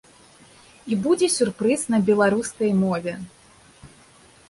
І будзе сюрпрыз на беларускай мове.